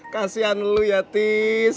kasian lu ya tis